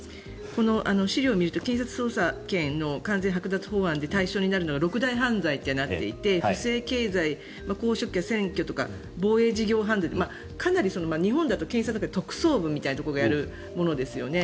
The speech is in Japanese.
この資料を見ていると検察捜査権完全はく奪法案で対象になるのが６大犯罪となっていて不正、経済、選挙とか防衛とかかなり日本だと特捜部みたいなところがやるものですよね。